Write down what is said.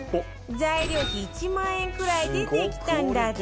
材料費１万円くらいでできたんだって